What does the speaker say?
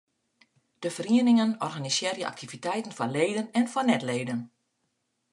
De ferieningen organisearje aktiviteiten foar leden en foar net-leden.